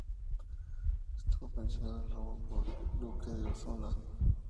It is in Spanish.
Estuvo pensionado en Roma por el duque de Osuna.